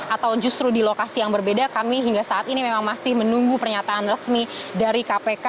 atau justru di lokasi yang berbeda kami hingga saat ini memang masih menunggu pernyataan resmi dari kpk